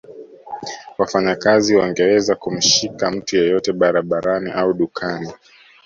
Wafanyakazi wangeweza kumshika mtu yeyote barabarani au dukani